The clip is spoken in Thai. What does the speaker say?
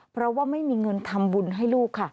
เพราะว่าไม่มีเงินทำบุญให้ลูกค่ะ